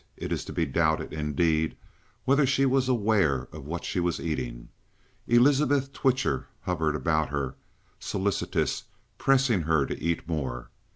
It is to be doubted, indeed, whether she was aware of what she was eating. Elizabeth Twitcher hovered about her, solicitous, pressing her to eat more.